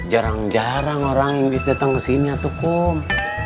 jarang jarang orang inggris datang kesini atukum